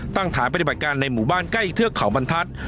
ตั้งฐานปฏิบัติการในหมู่บ้านใกล้เทือกเขาบรรทัศน์